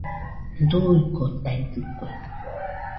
Duuikotaidɨkue